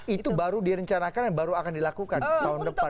itu baru direncanakan dan baru akan dilakukan tahun depan